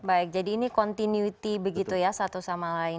baik jadi ini continuity begitu ya satu sama lain